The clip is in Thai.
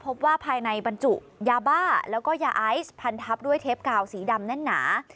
พบว่าภายในบรรจุยาบ้าแล้วก็ยาไอซ์พันทับด้วยเทปกาวสีดำแน่นหนา